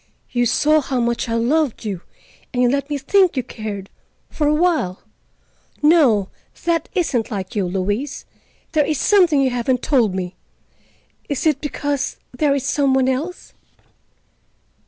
"You saw how much I loved you, and you let me think you cared—for a while. No—that isn't like you, Louise. There is something you haven't told me. Is it—because there is some one else?"